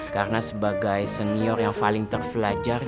karena sebagai senior yang paling terpelajar